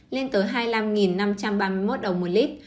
lên tới hai mươi năm năm trăm ba mươi một đồng một lít